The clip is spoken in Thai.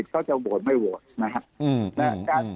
เขาจะโหวตไม่โหวตนะครับ